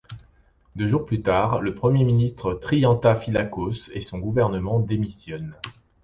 Deux jours plus tard, le Premier ministre Triantaphyllákos et son gouvernement démissionnent.